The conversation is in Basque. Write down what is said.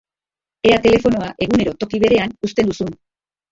Ea telefonoa egunero toki berean uzten duzun!